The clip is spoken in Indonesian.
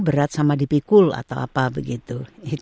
berat sama dipikul atau apa begitu